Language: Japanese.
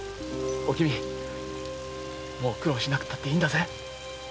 おきみもう苦労しなくていいんだぜ。